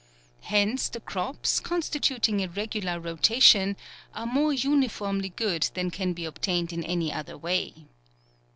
Hence the crops, constituting a regular rotation, are more uniformly good than can be obtained in any other way.